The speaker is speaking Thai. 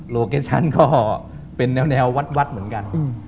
โลเคชันก็เป็นแนววัดเหมือนกัน